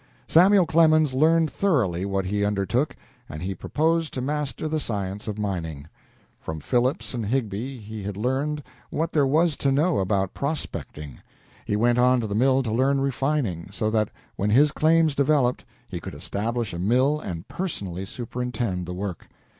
Samuel Clemens learned thoroughly what he undertook, and he proposed to master the science of mining. From Phillips and Higbie he had learned what there was to know about prospecting. He went to the mill to learn refining, so that, when his claims developed, he could establish a mill and personally superintend the work.